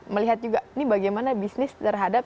melihat juga ini bagaimana bisnis terhadap